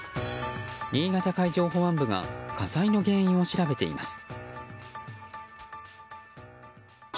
新潟海上保安部が火災の原因を調べています。